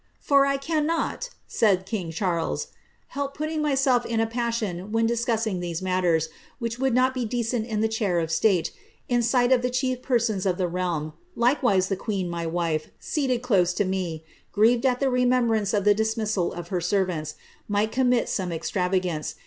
" For I cannot," said king Charles, " help putting myself in a passion when discussing these matters, which would not be (decent in the chair of state, in sight of the chief persons of the realm ; Lkewise the queen, my wife, seated close to me, grieved at the remem brance of the dismissal of her servants, might commit some extravagance, ' Bassompierre *s Embassy in Eugland, written by himself. 96 HBMBIITTA MAEIA.